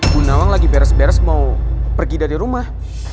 bu nawang lagi beres beres mau pergi dari rumah